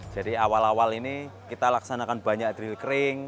jadi awal awal ini kita laksanakan banyak drill kering